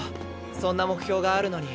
そんな目標があるのに。